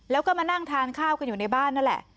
แล้วก็มานั่งทานข้าวกันอยู่ในบ้านนั่นแหละ